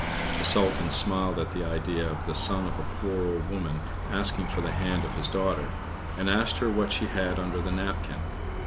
The Sultan smiled at the idea of the son of a poor old woman asking for the hand of his daughter, and asked her what she had under the napkin.